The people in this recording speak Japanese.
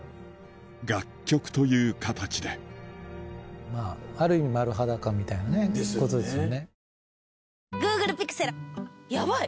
楽曲という形でまぁある意味丸裸みたいなねことですよね。